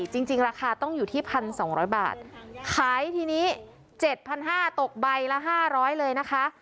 จริงจริงราคาต้องอยู่ที่พันสองร้อยบาทขายทีนี้เจ็ดพันห้าตกใบละห้าร้อยเลยนะคะ